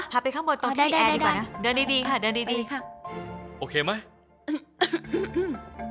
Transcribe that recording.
พาไปข้างบนตรงที่แอร์ดีกว่านะเดินดีค่ะ